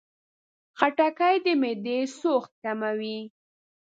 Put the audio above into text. خټکی د معدې سوخت کموي.